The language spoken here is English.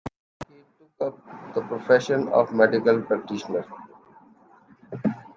He took up the profession of medical practitioner.